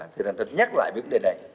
thì thành tinh nhắc lại vấn đề này